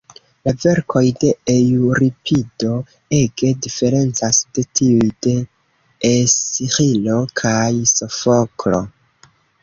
La verkoj de Eŭripido ege diferencas de tiuj de Esĥilo kaj Sofoklo.